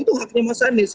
itu haknya mas anies